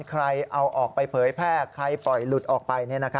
ใครเอาออกไปเผยแพร่ใครปล่อยหลุดออกไป